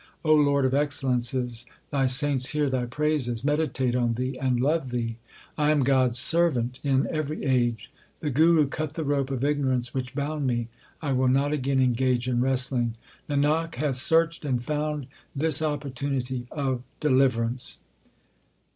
Lord of excellences, Thy saints hear Thy praises, meditate on Thee, and love Thee. 1 am God s servant in every age. The Guru cut the rope of ignorance which bound me. I will not again engage in wrestling ; Nanak hath searched and found this opportunity of deliverance.